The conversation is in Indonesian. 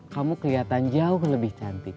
kamu kelihatan jauh lebih cantik